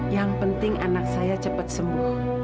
yang penting anak saya cepat sembuh